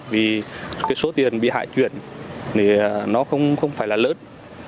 vì cái số tiền bị hại chuyển thì nó không phải là lớn